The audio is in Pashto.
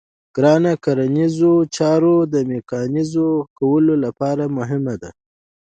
کرنه د کرنیزو چارو د میکانیزه کولو لپاره مهمه ده.